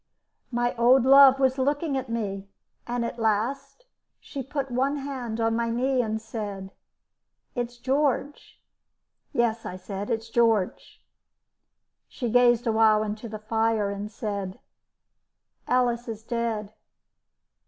My old love was looking at me, and at last she put one hand on my knee, and said: "It's George." "Yes," I said, "it's George." She gazed a while into the fire and said: "Alice is dead."